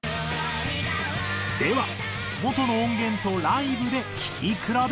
では元の音源とライブで聴き比べ。